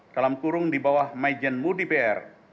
dalam kurung di bawah majenmu dpr